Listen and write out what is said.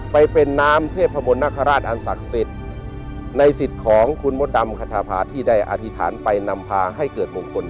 ไปเป็นน้ำเทพมนต์นคราชอันศักดิ์สิทธิ์ในสิทธิ์ของคุณมดดำคชาพาที่ได้อธิษฐานไปนำพาให้เกิดมงคล